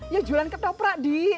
yang jualan ketoprak di